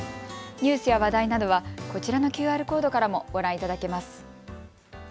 ニュースや話題などは、こちらのＱＲコードからもご覧いただけます。